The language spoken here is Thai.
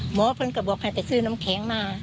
เพื่อนก็บอกให้ไปซื้อน้ำแข็งมา